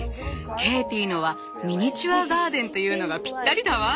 ケイティのはミニチュアガーデンというのがぴったりだわ。